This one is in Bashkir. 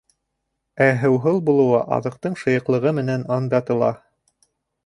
Ә һыуһыл булыуы аҙыҡтың шыйыҡлығы менән андатыла.